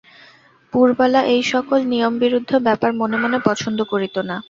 পুরবালা এই-সকল নিয়মবিরুদ্ধ ব্যাপার মনে মনে পছন্দ করিত না।